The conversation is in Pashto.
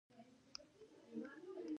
زه د ښوونکو خبره منم.